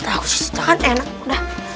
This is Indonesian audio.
bagus itu kan enak udah